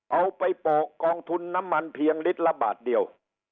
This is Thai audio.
เอาไปโปะกองทุนน้ำมันเพียงลิตรละบาทเดียว